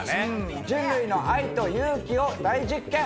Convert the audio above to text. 人類の愛と勇気を大実験